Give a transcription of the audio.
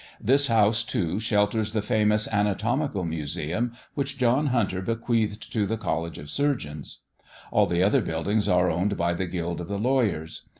This house, too, shelters the famous Anatomical Museum which John Hunter bequeathed to the College of Surgeons. All the other buildings are owned by the guild of the lawyers.